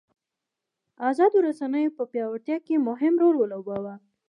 ازادو رسنیو په پیاوړتیا کې مهم رول ولوباوه.